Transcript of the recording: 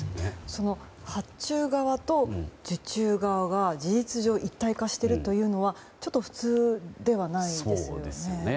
その発注側と受注側が事実上一体化しているというのはちょっと普通ではないですね。